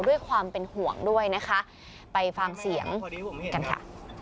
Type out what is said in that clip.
ด้วยความเป็นห่วงด้วยนะคะไปฟังเสียงกันค่ะ